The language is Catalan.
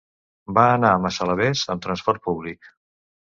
Va anar a Massalavés amb transport públic.